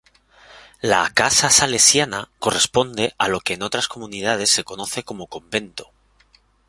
La "casa salesiana" corresponde a lo que en otras comunidades se conoce como "convento".